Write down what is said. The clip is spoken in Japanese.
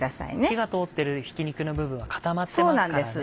火が通ってるひき肉の部分は固まってますからね。